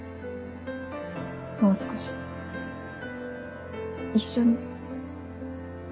もう少し一緒に。